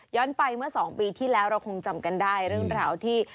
ไปเมื่อ๒ปีที่แล้วเราคงจำกันได้เรื่องราวที่